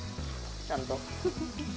ちゃんと。